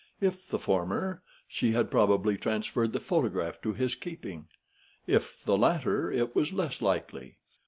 If the former, she had probably transferred the photograph to his keeping. If the latter, it was less likely.